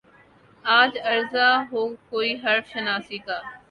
آج ارزاں ہو کوئی حرف شناسائی کا